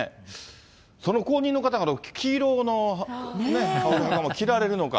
後任の方が、黄色の羽織りはかま着られるのか。